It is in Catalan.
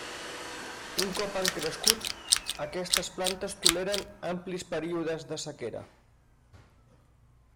Un cop han crescut, aquestes plantes toleren amplis períodes de sequera.